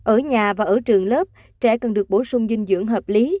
ở nhà và ở trường lớp trẻ cần được bổ sung dinh dưỡng hợp lý